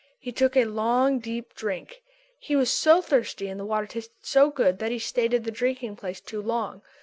He took a long, deep drink. He was so thirsty and the water tasted so good that he stayed in the drinking place too long.